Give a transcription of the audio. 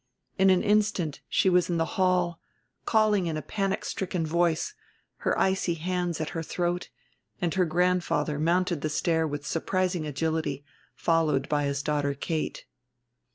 In an instant she was in the hall, calling in a panic stricken voice, her icy hands at her throat; and her grandfather mounted the stair with surprising agility, followed by his daughter Kate.